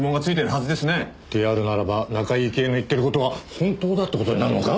であるならば中井雪絵の言ってる事は本当だって事になるのか？